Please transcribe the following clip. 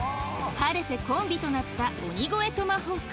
晴れてコンビとなった鬼越トマホーク